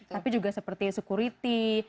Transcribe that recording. tapi juga seperti security